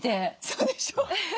そうでしょ。